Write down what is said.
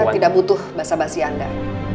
saya tidak butuh basa basi anda